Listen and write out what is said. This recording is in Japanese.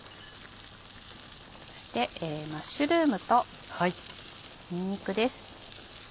そしてマッシュルームとにんにくです。